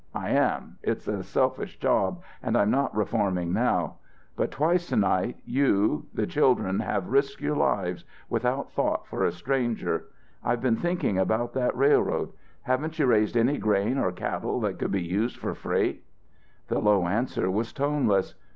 I am, it's a selfish job and I'm not reforming now. But twice to night you children have risked your lives, without thought for a stranger. I've been thinking about that railroad. Haven't you raised any grain or cattle that could be used for freight?" The low answer was toneless.